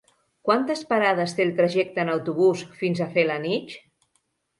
Quantes parades té el trajecte en autobús fins a Felanitx?